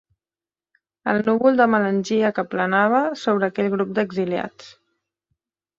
El núvol de melangia que planava sobre aquell grup d'exiliats.